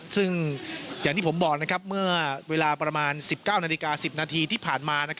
ซึ่งอย่างที่ผมบอกเมื่อเวลาประมาณ๑๙นาฬิกา๑๐นาทีที่ผ่านมา